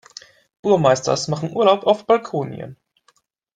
Burmeisters machen Urlaub auf Balkonien.